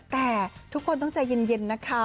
แต่ทุกคนต้องใจเย็นนะคะ